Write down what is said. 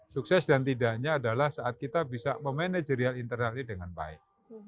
sukses dan tidaknya adalah saat kita bisa memanajerial internal ini dengan baik